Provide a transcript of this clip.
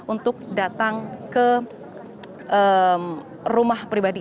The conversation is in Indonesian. untuk datang ke rumah pribadi